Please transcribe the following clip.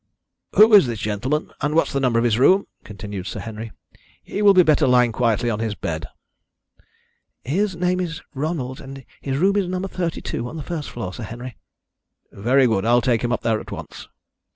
"Who is this gentleman, and what's the number of his room?" continued Sir Henry. "He will be better lying quietly on his bed." "His name is Ronald, and his room is No. 32 on the first floor, Sir Henry." "Very good. I'll take him up there at once."